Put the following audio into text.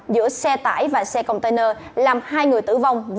giữa xe tải và xe container làm hai người tử vong